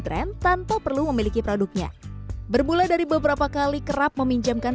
trend tanpa perlu memiliki produknya bermula dari beberapa kali kerap meminjamkan